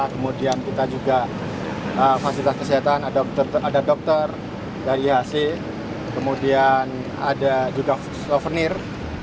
kemudian kita juga fasilitas kesehatan ada dokter dari ihc kemudian ada juga souvenir